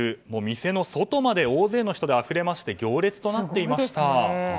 店の外まで大勢の人であふれて行列となっていました。